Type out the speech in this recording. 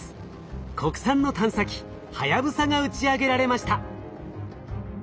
国産の探査機はやぶさが打ち上げられました。